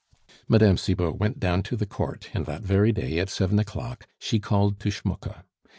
Mme. Cibot went down to the court, and that very day at seven o'clock she called to Schmucke.